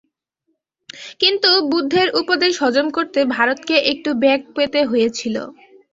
কিন্তু বুদ্ধের উপদেশ হজম করতে ভারতকে একটু বেগ পেতে হয়েছিল।